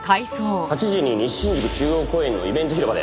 ８時に西新宿中央公園のイベント広場で。